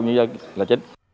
nhân dân là chính